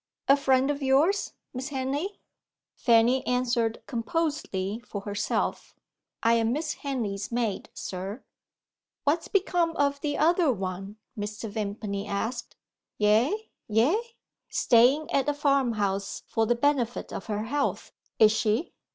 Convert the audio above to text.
A friend of yours, Miss Henley?" Fanny answered composedly for herself: "I am Miss Henley's maid, sir." "What's become of the other one?" Mr. Vimpany asked. "Aye? aye? Staying at a farm house for the benefit of her health, is she?